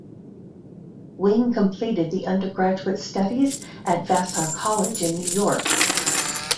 Wing completed his undergraduate studies at Vassar College in New York.